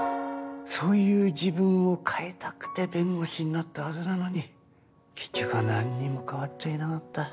そういう自分を変えたくて弁護士になったはずなのに結局は何にも変わっちゃいなかった。